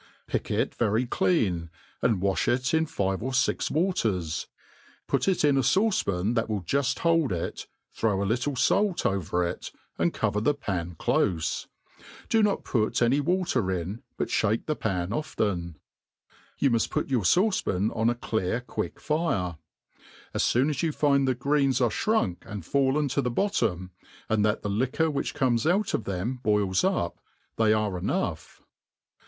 PICK W very clean, and wafli it iti fi\^e or fk Waters ; ptfk it in a fauce pan that will juft hold it, throw a little fait ovdt' it, and cover t1ie pan clofe. Db not pr<it any Wslttr in, but^ ibake the pan often. You muft put your fauce pan oti a* clear quick fire. As foon a^.you find the greens are (hrunk and fallen to the bottom, and that the liquor which comes out of them boils up, they are enough.